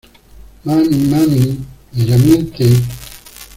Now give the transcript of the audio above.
¡ Mami! ¡ mami !¡ ella miente !